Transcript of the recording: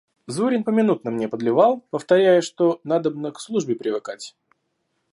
Зурин поминутно мне подливал, повторяя, что надобно к службе привыкать.